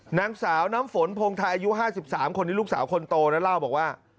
นางสาวน้ำฝนพงไทยอายุ๕๓คนนี้ลูกสาวคนโตนะเล่าบอกว่า